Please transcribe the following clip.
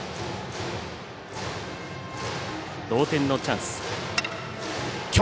同点のチャンス。